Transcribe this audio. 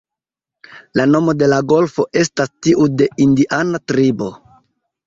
La nomo de la golfo estas tiu de indiana tribo.